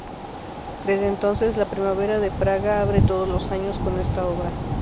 Desde entonces, la "Primavera de Praga" abre todos los años con esta obra.